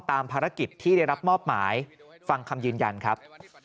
ตามภารกิจที่ได้รับมอบหมายฟังคำยืนยันครับ